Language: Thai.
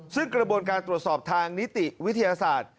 ซึ่งกระบวนการตรวจสอบทางนิติวิทยาศาสตร์